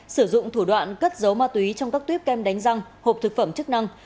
sử dụng thủ đoạn cất giấu ma túy trong các tuyếp kem đánh răng hộp thực phẩm chức năng